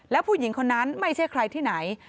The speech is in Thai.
แล้วผู้หญิงคนนั้นไม่ใช่ใครที่ไหน